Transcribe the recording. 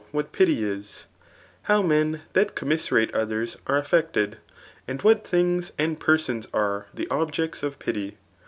yvhs^t pity is^ how men that commi; serate others are affectec^ and .what ^things and persons are the. .objects of pity.